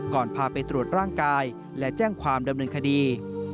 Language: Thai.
พาไปตรวจร่างกายและแจ้งความดำเนินคดี